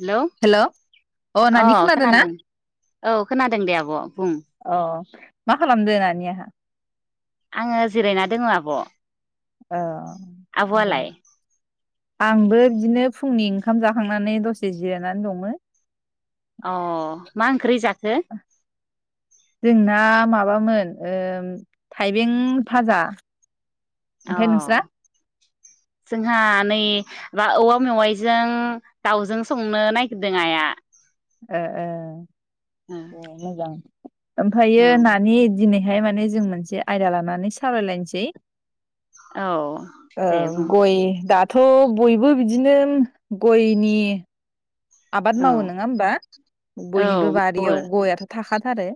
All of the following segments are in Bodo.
हेलौ हेल' अ नानि खोनादो ना औ खोनादों दे आब' बुं अ मा खालामदो नानिया आङो जिरायना दोङो आब' अ दे आब'वालाय आंबो बिदिनो फुंनि ओंखाम जाखांनानै दसे जिरायनानै दङ अ मा ओंख्रि जाखो? जोंना माबामोन थाइबें भाजा अ ओमफ्राय नोंस्रा जोंहा नै बा औवा मेवाइजों दाउजों संनो नागिरदों आइया ओ ओ मोजां ओमफ्रायो औ नानि दिनै बेहाय माने जों मोनसे आयदा लानानै सावरायलायनोसै औ दे औ बुं गय दाथ' बयबो बिदिनो गयनि आबाद औ मावो नङा होमबा औ बयनिबो मावो बारियाव गयाथ' थाखा आ बे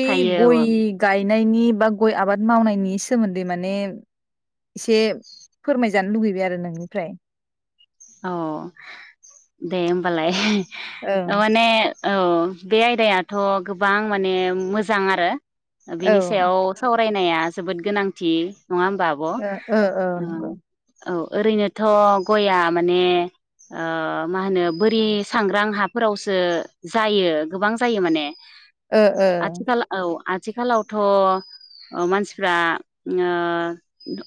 गय थायो औ गाय गायनायनि बा गय आबाद मावनायनि सोमोनदै माने एसे फोरमायजानो लुगैबाय आरो नोंनिफ्राय अ दे होमबालाय ओं माने औ बे आयदायाथ' गोबां माने मोजां आरो औ बिनि सायाव सावराय बायनाया जोबोद गोनांथि नङा होमबा आब' औ ओ ओ ओ नंगौ ओरैनोथ' गइया माने ओ मा होनो बोरि सांग्रां हाफोरावसो जायो गोबां जायो माने ओ ओ आथिखााल औ आथि आथिखालावथ' मानसिफ्रा ओ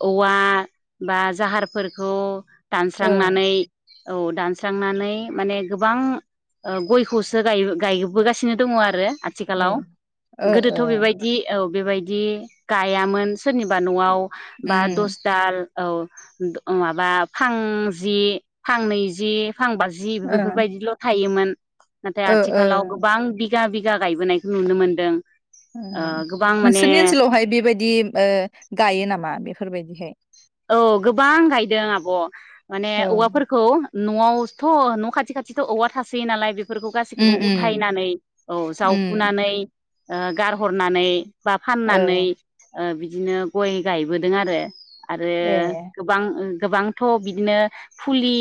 औवा बा जाहारफोरखौ दान ओ थांनानै औ दानस्रांनानै माने गोबां ग इखौसो गायबोगासिनो दङ आरो ए आथिखालाव ओ ओ गोदोथ' बेबायदि औ बेबायदि गायामोन सोरनिबा न'आव बा उम दस दाल औ माबा फां जि फांनैजि फांबाजि ओ बेफोरबायदिल' थायोमोन नाथाय ओ ओ आथिखालाव गोबां दि बिगा बिगा गायबोनायखौ नुनो मोनदों ओम ओ गोबां माने नोंसोरनि ओनसोलावहाय बेबायदि ओ गायो नामा बेफोर बेफोर बायदिहाय औ गोबां गायदों आब' माने औ उम औवाफोरखौ न'वावथ' न' खाथि खाथिथ' औवा थासोयो नालाय बे फोरखौ गासैखौबो उम उथायनानै औ उम जावफुनानै ओ गारहरनानै बा फाननानै औ ओ बिदिनो गय गायबोदों आरो आरो ए गोबां ओ गोबांथ' बिदिनो फुलि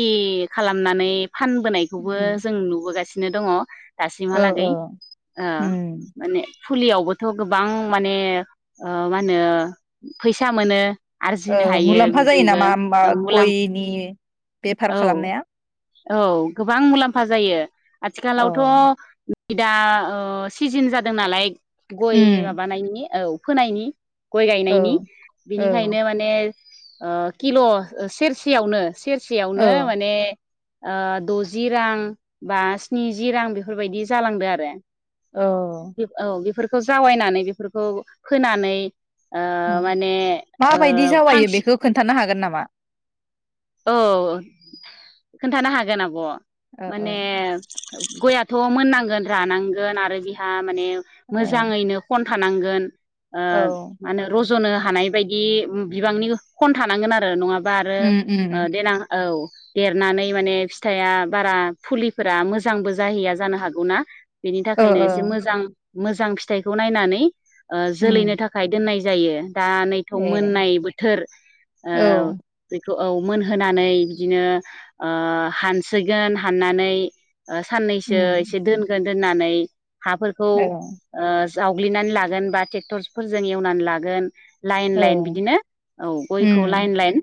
खालामनानै फानबोनायखौबो उम जों नुबोगासि नो दङ'। ओ दासिमहालागै ओ ओ उम माने फुलियावबोथ' गोबां माने ओ मा होनो फैसा मोनो। ओ आरजिनो हायो मुलाम्फा जायो बेजोंबो नामा ओमबा औ मुलाम्फा गयनि बेफार औ खालामनाया औ गोबां मुलाम्फा जायो। औ आथिखालावथ' बिदा ओ सिजेन जादो नालाय गय उम माबानायनि औ फोनायनि गय औ गायनायनि औ बिनिखायनो माने ओ किल' सेरसेयावनो सेर सेयावनो औ माने ओ द'जि रां बा स्निजि रां बेफोरबायदि जालांदो आरो औ [unintelligible] औ बेफोर खौ जावायनानै बेफोरखौ फोनानै ओ [unintelligible] माने ओ माबायदि जावायो फांस बेखो खोनथानो हागोन नामा? मा औ खोनथानो हागोन आब' ओ ओ माने गयाथ' मोननां गोन रानांगोन आरो बिहा माने मोजाङैनो खन थानांगोन ओ मानो रज रज'नो हानाय बायदि बिबांनि खन थानांगोन आरो नङाबा बारो उम उम ओ देनां औ देरनानै माने फिथाइया बारा फुलिफोरा मोजांबो जाहैया जानो हागौना बेनि ओ थाखायनो ओ एसे मोजां मोजां फिथाइखौ नायनानै उम जोलैनो थाखाय दोननाय जायो दा नैथ' ए मोननाय बोथोर ओ औ बेखौ औ मोनहोनानै बिदिनो ओ हानसिगोन हाननानै साननैसो उम एसे दोनगोन दोननानै हाफोरखौ औ जावग्लिनानै लागोन बा ट्रेक्टरफोरजों एवनानै लागोन लाइन लाइन औ बिदिनो औ गयखौ उम लाइन लाइन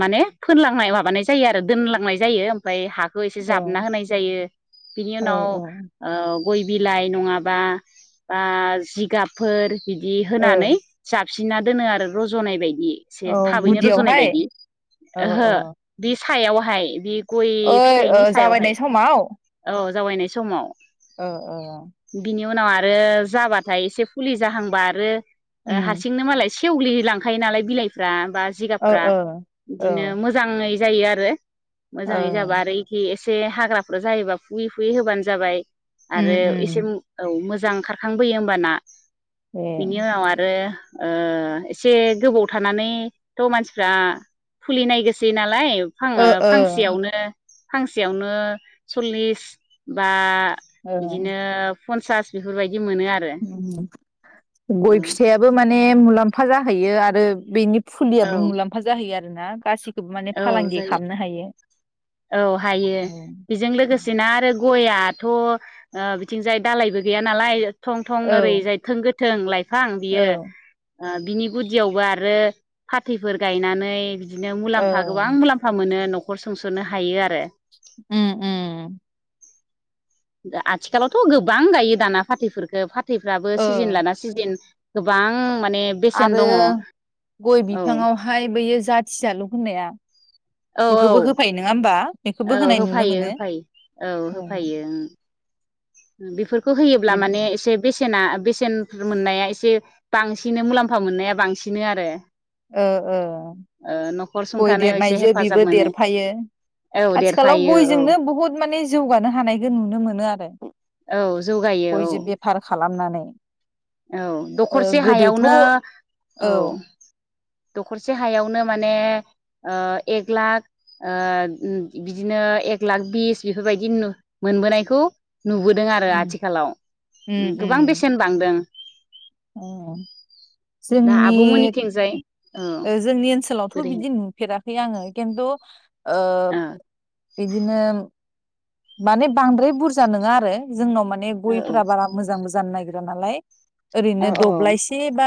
माने फोनलांनाय माबानाय जायो आरो दोनलांनाय जायो ओमफ्राय हा बेखौ एसे औ जाबना होनाय जायो बिनि औ उनाव ओ गइ बिलाइ नङाबा बा जिगाबफोर बिदि होनानै औ जाब सुफिसिना [unintelligible] दोनो आरो रज'नाय बायदि एसे औ थाबैनो रज' नाय गुदियावहाय बायदि औ ओहो औ दिस- सायावहाय बे गय ओइ ओ जावाइनाय समाव जावैनाय समाव ओ ओ बेनि उनाव आरो जाबाथाय एसे फुलि जाहांबा आरो ओ उम हारसिंनो मालाय सेवग्लि लांखायो नालाय बिलाइफ्रा बा जिगाब ओ फ्रा ओ औ बिदिनो मोजाङै जायो आरो ओ मोजाङै जाबा आरो इखि एसे एसे हाग्राफोर जायोबा फुयै फुयै होबानो जाबाय उम आरो एसे उम औ मोजां मोजां खारखांबोयो होमबाना ए बिनि उनाव आरो ओ एसे गोबाव थानानैथ' मानसि फ्रा फुलिनाय गोसै [unintelligible] [unintelligible] ओ ओ फांसेयावनो फांसेयावनो सल्लिस बा बिदिनो फनसास बेफोरबाय औ गइ फिथायाबो माने मुलामफ म्फा जाहैयो आरो बेनि औ फुलियाबो मुलाम्फा जाहैयो आरो [unintelligible] औ जायो औ हायो औ बेजों लोगोसेनो आरो गइ आथ' बिथिंजाय दालायबो गैया नालाय थं थं ओरैजाय थोंगो थों लाइफ फां‌ औ बियो बिनि गुदियावबो आरो फाथैफोर गायनानै बिदिनो औ मुलाम्फा म्फा गोबां मुलाम्फा मोनो न'ख न'खर सुंस'नो हायो आरो ओ - ओ आथिखालावथ' गोबां गायो दाना फाथैफोरफोरखौ फाथ फैफ्राबो ओ सिजेन लाना सिजेन गोबां माने बेसेन आरो दङ औ गय औ बिफाङावहाय बयो जाथि जालु होननाया औ बेखौबो होफायो नङा होमबा बेखौबो औ होनाय नुनो होफायो मोनो होफायो औ ओ होफायो बेफोर होयोब्ला माने एसे बेसे बेसेना बेसेन मोननाया एसे बांसिन मुलाम्फा मोननाया बांसिनो आरो ओ-ओ ओ न'खर गइ सुंथानायाव एसे देरनायजों हेफाजाब बेबो मोनो देरफायो औ आथिखालाव देरफायो औ गयजोंनो बहुद माने जौगानो हानायखौ नुनो मोनो आरो औ जौगायो औ लामनानै औ दखरसे हायावनो औ दखरसे हायावनो माने एक लाख ओ बिदिनो एक लाख बिस बेफोरबायदि मोनबोनायखौ नुबोदों आरो उम आथिखालाव गोबां बेसेन बांदों अ दा जोंनि आब'मोननिथिंजाय औ ओ जोंनि ओनसोलावथ बोरैहाय बिदि नुफेराखै आङो किनतु ओ औ बिदिनो माने बांद्राय बुरजा नोङा आरो जोंनाव मा ने औ गयफोरा बारा मोजांबो जानो नागि रा नालाय ओरैनो औ दब्लायसे बा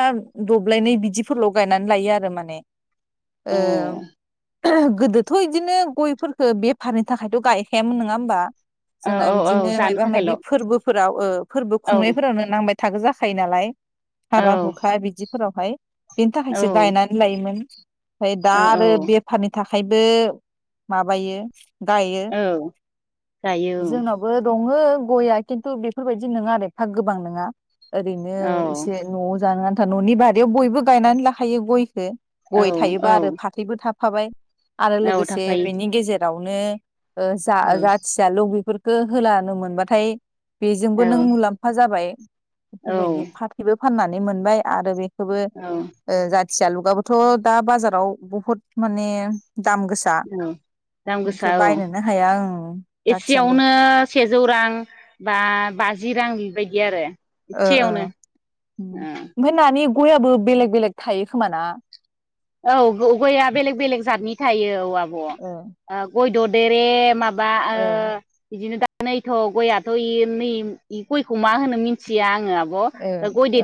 दब्लायनै बिदिफोरल गायनानै लायो आरो माने ए औ गोदोथ इदिनो गयफोरफोरखौ बेफारनि थाखायथ गायखायामोन नोङा होनबा औ जोंना औ औ बिदिनो जानो मायबा थाखायल' मायबि औ फोरबोफोर राव औ फोरबो औ खुंनायफोरावनो नांबाय थागो जाखायो नालाय औ हाबा हुखा बिदिफोरावहाय बेनि औ थाखायसो गायनानै लायोमोन ओमफ्राय दा औ आरो बेफारनि थाखा खायबो माबायो गायो औ जायो जोंनावाबो द दङो गया खिन्थु बेफोरबायदि नङा आरो एफा गोबां नोङा ओरैनो औ इसे नवाव जानो आन था न'नि बारियाव बयबो गायनानै लाखायो गयखो औ गय थायोबा औ आरो फाथैबो थाब फाबाय आरो औ लोगोसे थाफायो बेनि गेजेराव [unintelligible] ओ जा औ जाथियाल' बेफोर खौ होलानो मोनबाथाय बेजोंबो औ नों मुलाम्फा जाबाय बेफोरबायदि औ फाथैबो फाननानै मोनबाय आरो बे खौबो औ खाथियालुगाबोथ' दा बाजाराव बुहुद माने दाम गोसा औ दाम गोसा बेखौ औ बायनोनो ओं जाथि जालु एसेयावनो सेजौ रां बा बाजि रां बिबायदि आरो ओ ओ एसेयावनो ओमफ्राय नानि गयाबो बेलेग बेलेग थायो खोमा ना औ गयआ बेलेग बेलेग जातनि थायो औ आब' औ गय ओ ददेरे माबा बा ओ बिदिनो नैथ' गययाथ' नै गयखौ मा होनो मिथिया आङो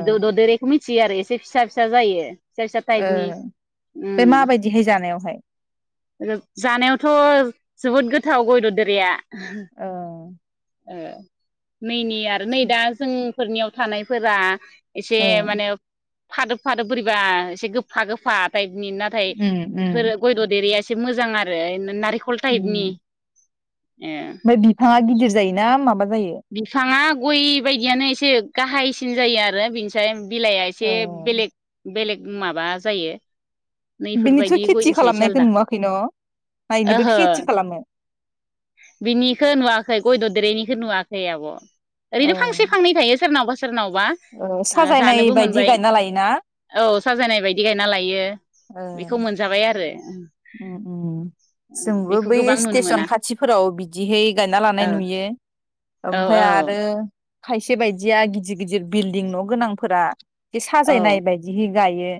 ओ ददेरेखौ मिथि मिथियो आरो एसे फिसा फिसा जायो फिसा फिसा ताईबनि ओ बे माबायदिहाय जानायावहाय जानायावथ' जोबोद गोथाव गय ददेरेया अ ओ नैनि आरो नै दा जों फोरनियाव थानायफोरा एसे ओ उम माने फादोब फादोब बोरैबा एसे गोफा गोफा थाय बिनि नाथाय उम बिफोरो गय द'देरे या‌ एसे एसे मोजां आरो नार खलटाइबनि उम ओमफ्राय बिफाङा गिदिर जायोना माबा जायो बिफाङा गय बायदियानो एसे गाहायसिन जायो आरो बेनिसाय बिलाइआ ओ एसे बेलेग बेलेग माबा जायो बिनिथ' नैफोरबायदि खेथि गयनिसाय एसे खालामनायखौ आलदा नुवाखै न नोबो ओहो खेथि खालामो बिनिखौ नुवाखै गय ददेरेनिखौ नुयाखै खै आब' ओरैनो फांसे फांनै थायो सोरनावबा सोरनावबा औ ओ साजायनाय बायदि गायना लायोना साजायानाय बायदि गायना लायो ओ बेखौ मोनजाबाय आरो जोंबो बेखौ बै गोबां नुनो स्टेसन मोना खाथिफोराव बिदिहै गायना लानाय औ नुयो औ ओमफ्राय औ आरो खायसे बायदिया गिदिर गिदिर बिल्डिं न' गोनांफोरा बे औ साजायनाय बायदि गायो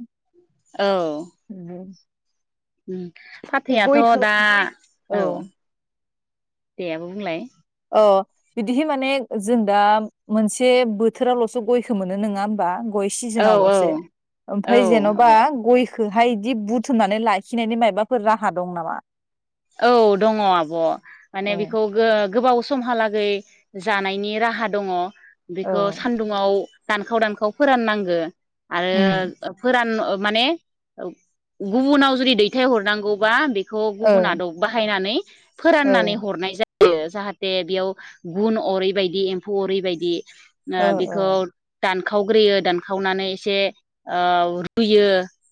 औ उम फाथैआथ' गयखो दा औ दे आब' बुंलाय अ बिदिहै माने जों दा मोनसे बोथोरावल'सो गयखौ मोनो नङा हबा गय औ औ सिजेनावल'सो औ ओमफ्राय जेनेबा आब' गयखौ खौहाय बिदि बुथुमनानै लाखिनायनि मायाबाफोर राहा दं नामा औ दङ आब' माने औ बेखौ गो गोबाव समहालागै जानायनि राहा दङ' बेखौ औ सानदुङाव दानखाव दानखाव फोराननांगो उम आरो फोरान माने गुबुनाव जुदि दैथाय हरनांगौबा बेखो ओ गुना [unintelligible] बाहायनानै ओ फोराननानै हरनाय जायो जाहाथे बेयाव गुन अरै बदि एमफौ अरै बायदि ओ बिखौ दान खावग्रोयो दानखावनानै इसे ओ रुयो।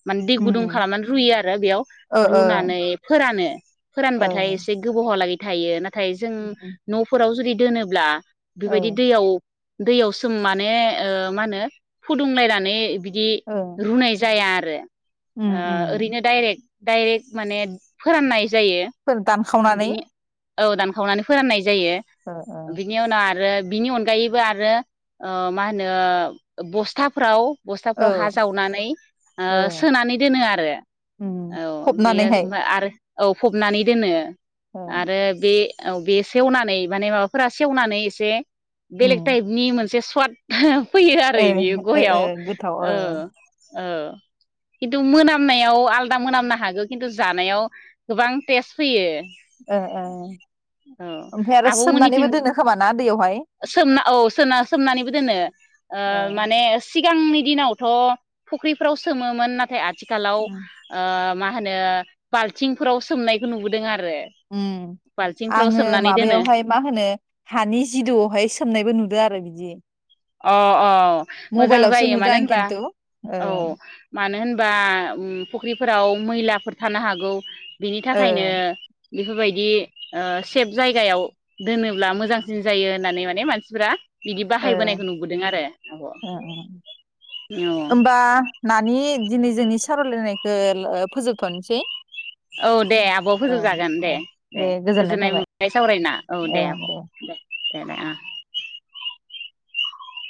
माने दै उम गुदुं खालामनानै रुयो आरो बेयाव ओ ओ रुनानै फोरानो ओ फोरानबाथाय इसे गोबावहा लागै थायो ना थाय जों न'फोराव जुदि दोनोब्ला ओ बिबादि दैयाव दैयाव सोम माने ओ माहोनो फुदुंलायनानै बि दि ओ रुनाय जाया रो उम ओ उम ओरैनो डाइरेक्ट डाइरेक्ट माने फोराननाय जायो खावनानै बिनि औ दानखावनानै फोराननाय जा जायो ओ बिनि उनाव आरो बिनि अनगायैबो आरो ओ माहोनो बस्थाफोराव औ बस्थाफ्राव हा जावनानै ओ सोनानै दोनो आरो उम औ बेयो फबनानैहाय [unintelligible] आरो औ फ'बनानै दोनो। ओ आरो बे औ बे सेवनानै माने माबाफोरा सेवनानै एसे ओ बेलेग टाइपनि मोनसे स [unintelligible] फैयो आरो ओ बियो ओ गयाव गोथाव ओ औ औ किनतु मोनामनायाव आलदा मोनामनो हागौ किनतु जानायाव गोबां टेस्ट फैयो। औ ओ ओ ओमफ्राय आरो सोमनानैबो आब'मोननिथिं दोनो खोमा ना दैयावहाय सोमना औ सोमना सोमनानैबो दोनो ओ माने सिगांनि दिनावथ' फुख्रिफ्राव सोमोमो ना थाय आथिखालाव ओ मा मा होनो बाल्थिंफोराव सोमनायखौ नुबोदों आरो उम बाल्थिंफ्राव आङो सोमनानै दोनो माबायावहाय मा होनो हानि जिदौआवहाय सोमनायबो नुदो आरो बिदि अ अ मोजां मबाइलावसो जायो नुदों मानो आं होनबा खिन्थु ओ औ मानो होन बा उम फुख्रिफोराव मैलाफोर थानो हागौ बिनि ओ थाखायनो बेफोरबायदि ओ सेफ जायगायाव दोनोब्ला मोजांसिन जायो होननानै माने मानसिफोरा बिदि ओ बाहायबोनाय नुदों आरो आब ओ औ दे दिनै जोंनि सावरायलायनायखौ फोजोबथनोसै औ दे आब फोजोबजागोन दे दे गोजोननाय मोननाय सावरायना औ दे आब दे दे दे ओ